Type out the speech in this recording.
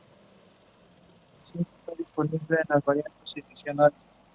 Entre ambos países existe una larga historia de movimientos migratorios.